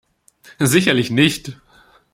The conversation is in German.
Sicherlich nicht!